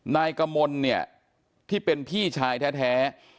นายกมลเนี่ยที่เป็นพี่ชายแท้